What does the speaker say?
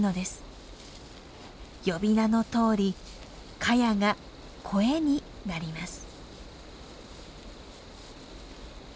呼び名のとおりカヤがコエになります。